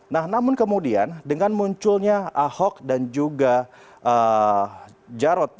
nah namun kemudian dengan munculnya ahok dan juga jarod